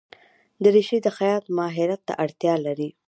دریشي د خیاط ماهرت ته اړتیا لري.